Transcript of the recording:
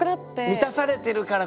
満たされてるからこそね。